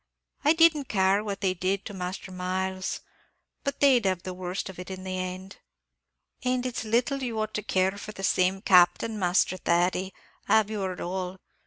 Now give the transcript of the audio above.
I didn't care what they did to Master Myles, but they'd have the worst of it in the end." "And it's little you ought to care for the same Captain, Misthur Thady, av you heard all.